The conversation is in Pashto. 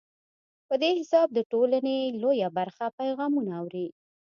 په دې حساب د ټولنې لویه برخه پیغامونه اوري.